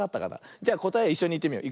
じゃこたえをいっしょにいってみよう。